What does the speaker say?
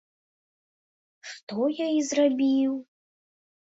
Што я і зрабіў.